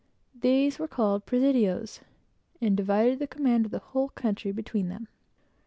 These were called Presidios, and divided the command of the whole country between them.